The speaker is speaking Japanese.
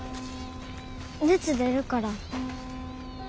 熱出るから。